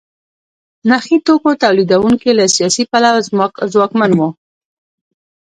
نخي توکو تولیدوونکي له سیاسي پلوه ځواکمن وو.